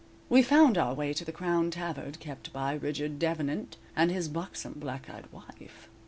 We found our way to the Crown Tavern, kept by Richard Devanant and his buxom black eyed wife.